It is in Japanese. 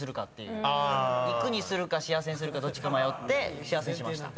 行くにするか幸せにするかどっちか迷って幸せにしました。